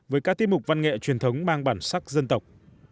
với các tiết mục văn nghệ truyền thống mang bản sắc dân tộc